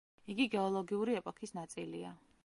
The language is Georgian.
იგი გეოლოგიური ეპოქის ნაწილია.